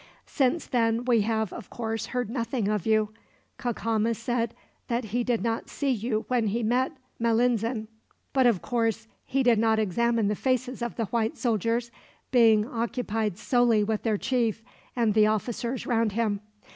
"Since then we have, of course, heard nothing of you. Cacama said that he did not see you when he met Malinzin; but of course he did not examine the faces of the white soldiers, being occupied solely with their chief and the officers round him.